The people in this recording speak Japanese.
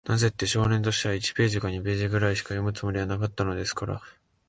なぜって、少年としては、一ページか二ページぐらいしか読むつもりはなかったのですから。